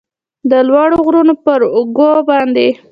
د لوړو غرونو پراوږو باندې